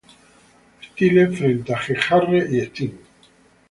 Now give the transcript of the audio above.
Styles frente a Jeff Jarrett y Sting.